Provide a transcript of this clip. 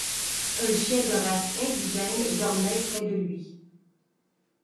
Un chien de race indigène dormait près de lui.